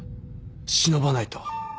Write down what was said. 忍ばないと。